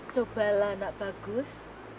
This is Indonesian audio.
cobalah anak bagus